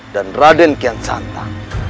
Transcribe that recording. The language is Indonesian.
dan raden kiansanta